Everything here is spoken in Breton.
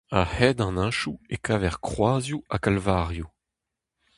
A-hed an hentoù e kaver kroazioù ha kalvarioù.